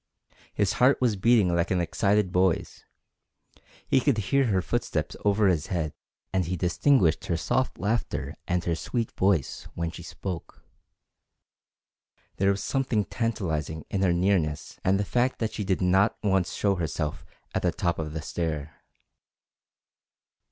His heart was beating like an excited boy's. He could hear her footsteps over his head, and he distinguished her soft laughter, and her sweet voice when she spoke. There was something tantalizing in her nearness and the fact that she did not once show herself at the top of the stair.